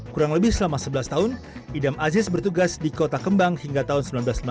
kurang lebih selama sebelas tahun idam aziz bertugas di kota kembang hingga tahun seribu sembilan ratus enam puluh